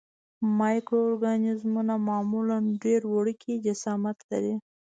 مایکرو ارګانیزمونه معمولاً ډېر وړوکی جسامت لري.